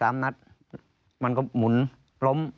นัดมันก็หมุนล้ม